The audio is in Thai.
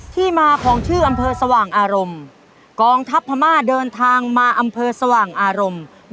ที่มาของชื่ออำเภอสว่างอารมณ์กองทัพพม่าเดินทางมาอำเภอสว่างอารมณ์